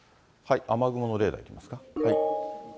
雨雲のレーダーいきますか。